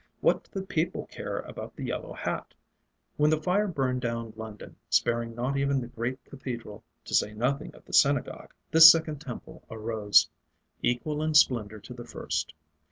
What did the people care about the yellow hat? When the Fire burned down London, sparing not even the great Cathedral, to say nothing of the Synagogue, this second Temple arose, equal in splendor to the first.